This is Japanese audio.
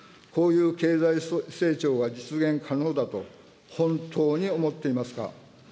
こういう経済成長が実現可能だと本当に思っていますか。